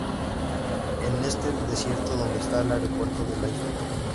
Es en este desierto donde está el aeropuerto de la isla.